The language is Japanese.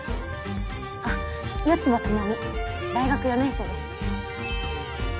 あっ四葉朋美大学４年生です。